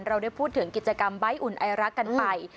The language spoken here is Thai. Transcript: เราได้พูดถึงกิจกรรมใบ้อุ่นไอรักกันไป